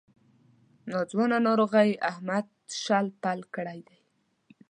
ناځوانه ناروغۍ احمد شل پل کړی دی.